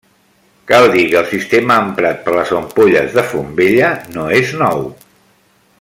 Cal dir que el sistema emprat per les ampolles de Font Vella no és nou.